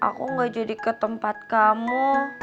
aku gak jadi ke tempat kamu